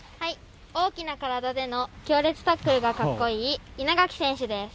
大きな体での強烈タックルが格好いい稲垣選手です。